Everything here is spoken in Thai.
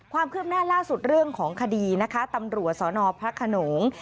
ความคืบหน้าล่าสุดเรื่องของคดีนะคะตำรวจสนพระขนง